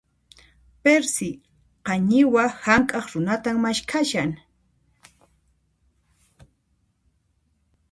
Perci, qañiwa hank'aq runatan maskhashan.